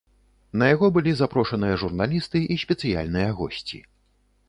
На яго былі запрошаныя журналісты і спецыяльныя госці.